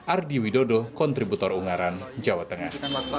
ardi widodo kontributor ungaran jawa tengah